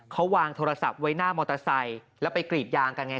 เขาวางโทรศัพท์ไว้หน้ามอเตอร์ไซค์แล้วไปกรีดยางกันไง